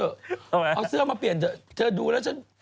เอาไงเอาเสื้อมาเปลี่ยนเธอดูแล้ว